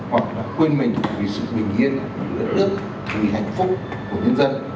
hoặc đã quên mình vì sự bình yên vì ước ước vì hạnh phúc của nhân dân